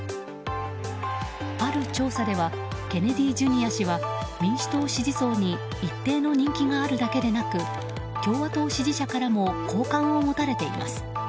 ある調査ではケネディ・ジュニア氏は民主党支持層に一定の人気があるだけでなく共和党支持者からも好感を持たれています。